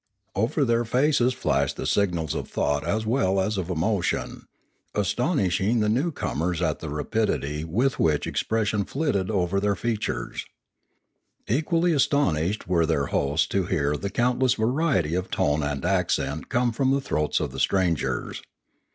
Over their faces flashed the signals of thought 474 Limanora as well as of emotion, astonishing the newcomers at the rapidity with which expression flitted over their feat ures. Equally astonished were their hosts to hear the countless variety of tone and accent come from the throats of the strangers.